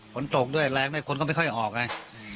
ฝนตกด้วยแรงด้วยคนก็ไม่ค่อยออกไง